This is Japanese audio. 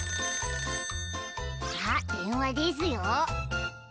☎あっでんわですよ。